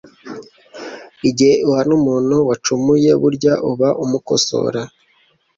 Igihe uhana umuntu wacumuye burya uba umukosora